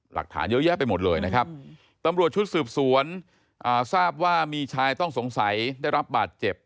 หลักฐานเยอะแยะไปหมดเลยนะครับตำรวจชุดสืบสวนทราบว่ามีชายต้องสงสัยได้รับบาดเจ็บ